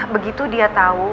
begitu dia tau